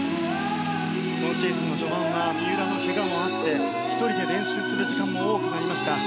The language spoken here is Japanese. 今シーズンの不安は三浦のけがもあって１人で練習する時間も多くなりました。